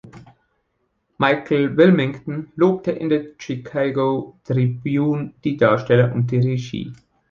Michael Wilmington lobte in der Chicago Tribune die Darsteller und die Regie.